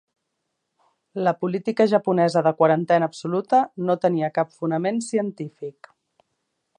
La política japonesa de quarantena absoluta... no tenia cap fonament científic.